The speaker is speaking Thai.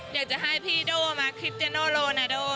อยากจะให้พี่โด่มาคลิปเจโนโลนาโด